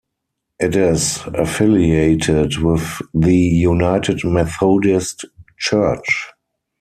It is affiliated with the United Methodist Church.